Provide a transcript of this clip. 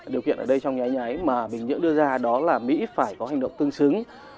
điều kiện ở đây trong nhái nhái mà bình nhưỡng đưa ra đó là mỹ phải có hành động tương xứng